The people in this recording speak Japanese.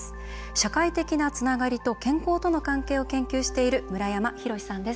社会的なつながりと健康との関係を研究している村山洋史さんです。